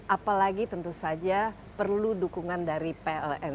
apalagi tentu saja perlu dukungan dari pln